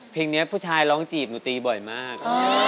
เพลงนี้ผู้ชายร้องจีบหนูตีบ่อยมาก